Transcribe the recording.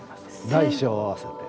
大小合わせて。